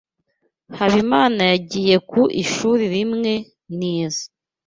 Habimana yagiye ku ishuri rimwe nize.